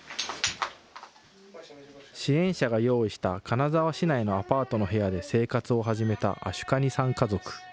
支援者が用意した金沢市内のアパートの部屋で生活を始めたアシュカニさん家族。